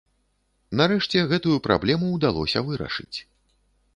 Нарэшце гэтую праблему ўдалося вырашыць.